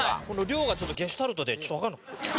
「料」がちょっとゲシュタルトでちょっとわかんなく。